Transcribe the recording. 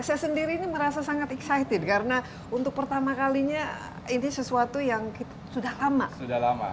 saya sendiri ini merasa sangat excited karena untuk pertama kalinya ini sesuatu yang sudah lama sudah lama